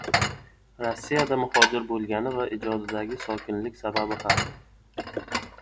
Rossiyada muhojir bo‘lgani va ijodidagi sokinlik sababi haqida